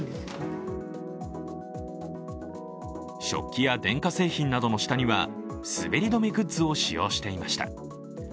食器や電化製品などの下には滑り止めグッズを使用していました。